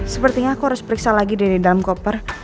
sepertinya aku harus periksa lagi dari dalam koper